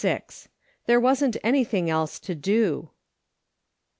'* THERE WASN'T ANYTHING ELSE TO DO."